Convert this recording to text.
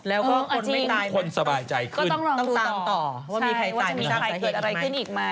แล้วก็คนไม่ตายต้องตามต่อว่าจะมีใครเกิดอะไรขึ้นอีกไหม